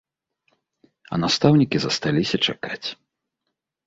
А настаўнікі засталіся чакаць.